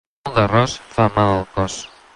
Molt d'arròs fa mal al cos.